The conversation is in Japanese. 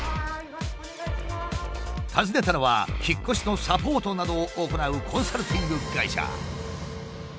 訪ねたのは引っ越しのサポートなどを行うコンサルティング会社。